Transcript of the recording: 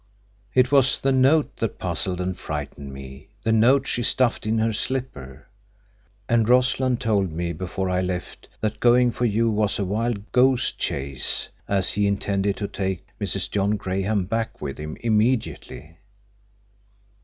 It was the note that puzzled and frightened me—the note she stuffed in her slipper. And Rossland told me, before I left, that going for you was a wild goose chase, as he intended to take Mrs. John Graham back with him immediately."